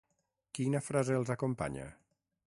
Quina frase els acompanya?